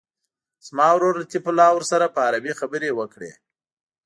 زما ورور لطیف الله ورسره په عربي خبرې وکړي.